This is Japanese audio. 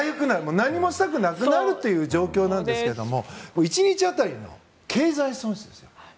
何もしたくなくなるという状況なんですが１日当たりの経済損失です。